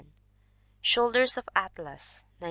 Shoulders of Atlas, 1908.